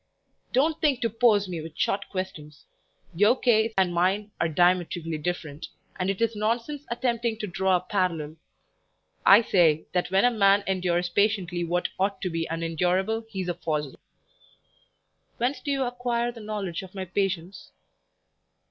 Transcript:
"Don't think to pose me with short questions; your case and mine are diametrically different, and it is nonsense attempting to draw a parallel. I say, that when a man endures patiently what ought to be unendurable, he is a fossil." "Whence do you acquire the knowledge of my patience?"